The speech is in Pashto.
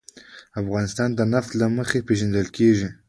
افغانستان د نفت له مخې پېژندل کېږي.